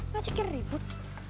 masih kira ribut